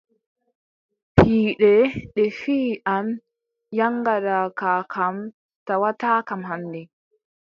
Piiɗe ɗe fiyi am, yaŋgada ka kam tawataakam hannde.